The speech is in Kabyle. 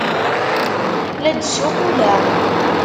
La d-ssuquleɣ.